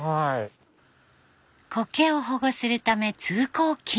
コケを保護するため通行禁止。